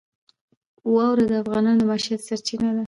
واوره د افغانانو د معیشت سرچینه ده.